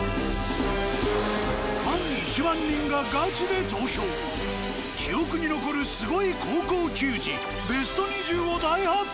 ファン１万人がガチで投票記憶に残るスゴい高校球児ＢＥＳＴ２０を大発表！